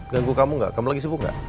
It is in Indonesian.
ganggu kamu gak kamu anggih sibuk